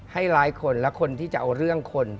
ร้ายคนและคนที่จะเอาเรื่องคน